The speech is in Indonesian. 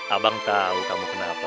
abang tau kamu kenal apa